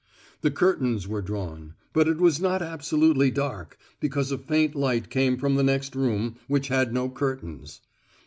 The curtains were drawn, but it was not absolutely dark, because a faint light came from the next room, which had no curtains.